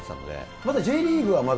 まだＪリーグはまだ？